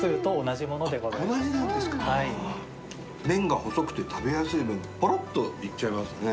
麺が細くて食べやすい分ポロッといっちゃいますね。